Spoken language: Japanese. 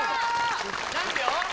何秒？